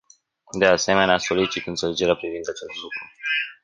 De asemenea, solicit înțelegere privind acest lucru.